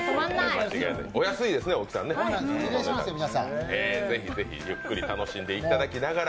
お安いですね、ぜひぜひゆっくり楽しんでいただきながら。